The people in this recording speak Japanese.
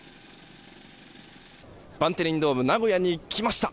バンデリンドームナゴヤに来ました。